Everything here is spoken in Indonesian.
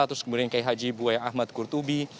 terus kemudian kay haji buway ahmad kurtubi